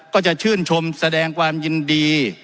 ก็จะชื่นชมแสดงความยินดี